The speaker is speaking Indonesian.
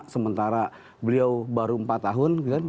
sementara beliau baru empat tahun